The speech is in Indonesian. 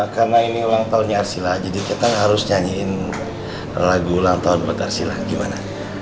karena ini ulang tahunnya arsila jadi kita harus nyanyiin lagu ulang tahun buat arsila gimana